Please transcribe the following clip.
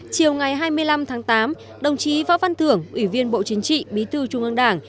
chiều ngày hai mươi năm tháng tám đồng chí võ văn thưởng ủy viên bộ chính trị bí thư trung ương đảng